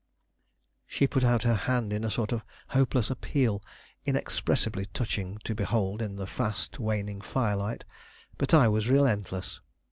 She put out her hand in a sort of hopeless appeal inexpressibly touching to behold in the fast waning firelight. But I was relentless.